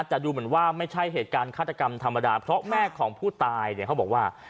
แต่ดูเหมือนว่าไม่ใช่เหตุการณ์ฆาตกรรมธรรมดาเพราะแม่ของผู้ตายเนี่ยเขาบอกว่า